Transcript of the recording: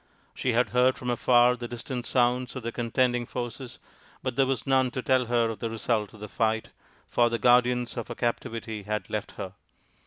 She had heard from afar the distant sounds of the contending forces, but there was none to tell her of the result of the fight, for the guardians of her captivity had left her.